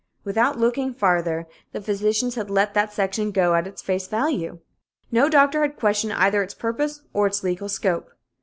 Without looking farther, the physicians had let that section go at its face value. No doctor had questioned either its purpose or its legal scope.